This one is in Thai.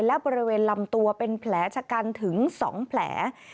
และบริเวณลำตัวเป็นแผลชะกันถึง๒แผล